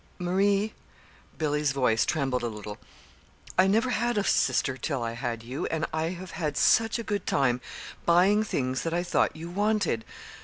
Marie," Billy's voice trembled a little "I never had a sister till I had you, and I have had such a good time buying things that I thought you wanted!